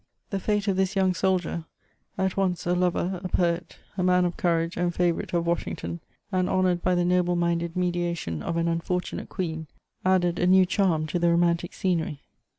The fate of this young soldier, at once a lover, a poet, a man of courage and favourite of Washing* ton, and honoured by the noble minded mediation of an unfor tunate queen, added a new charm to the romantic scenery.